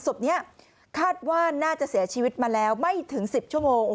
ศพนี้คาดว่าน่าจะเสียชีวิตมาแล้วไม่ถึง๑๐ชั่วโมง